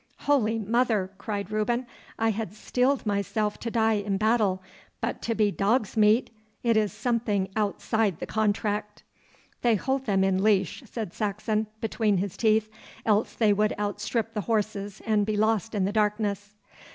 'Holy mother!' cried Reuben, 'I had steeled myself to die in battle but to be dogsmeat! It is something outside the contract.' 'They hold them in leash,' said Saxon, between his teeth, 'else they would outstrip the horses and be lost in the darkness.